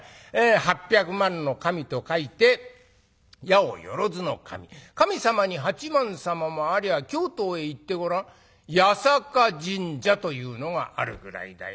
『八百万の神』と書いて『八百万の神』神様に八幡様もありゃ京都へ行ってごらん八坂神社というのがあるぐらいだよ。